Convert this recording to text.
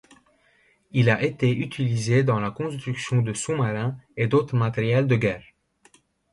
Il a été utilisé dans la construction de sous-marins et d'autres matériels de guerre.